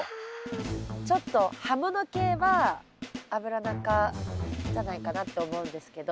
ちょっと葉もの系はアブラナ科じゃないかなって思うんですけど。